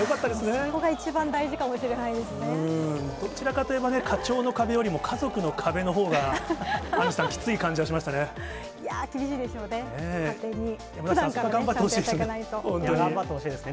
そこが一番大事かもしれないどちらかといえばね、課長の壁よりも、家族の壁のほうが、アンジュさん、きつい感じはしまいやー、厳しいですよね。